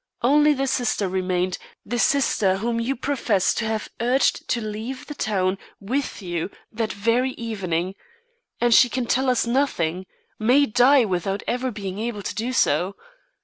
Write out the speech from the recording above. Only the sister remained, the sister whom you profess to have urged to leave the town with you that very evening; and she can tell us nothing, may die without ever being able to do so.